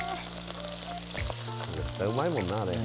絶対うまいもんな、あれ。